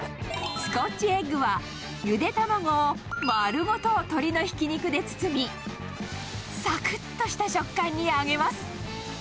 スコッチエッグは、ゆで卵を丸ごと鶏のひき肉で包み、さくっとした食感に揚げます。